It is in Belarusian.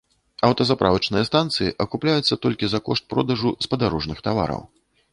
Аўтазаправачныя станцыі акупляюцца толькі за кошт продажу спадарожных тавараў.